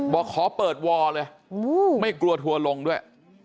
บอกขอเปิดวอลเลยไม่กลัวทัวร์ลงด้วย